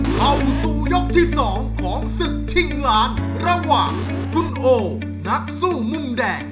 เข้าสู่ยกที่๒ของศึกชิงล้านระหว่างคุณโอนักสู้มุมแดง